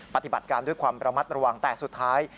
ปฏิบัติการด้วยความระมัดระวังแต่สุดท้าย